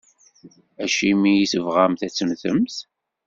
Acimi i tebɣamt ad temmtemt?